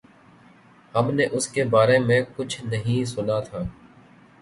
ہم نے اس کے بارے میں کچھ نہیں سنا تھا۔